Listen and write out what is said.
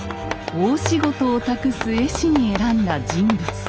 大仕事を託す絵師に選んだ人物